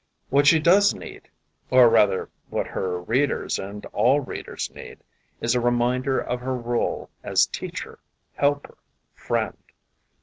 What she does need, or rather, what her readers and all readers need, is a reminder of her role as teacher, helper, friend.